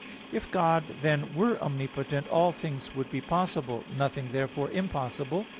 If God, then, were omnipotent, all things would be possible; nothing, therefore impossible.